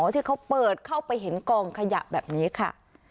ที่เขาเปิดเข้าไปเห็นกองขยะแบบนี้ค่ะ